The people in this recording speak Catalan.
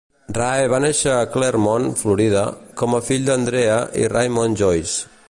Rae va néixer a Clermont, Florida, com a fill d'Andrea i Raymond Joyce.